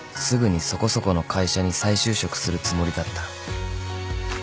［すぐにそこそこの会社に再就職するつもりだった］